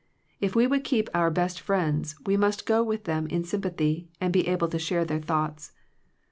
If we would keep our best friends, we must go with them in sym pathy, and be able to share their thoughts.